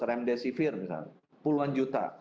remdesivir misalnya puluhan juta